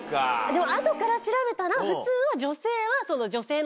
でも後から調べたら普通は。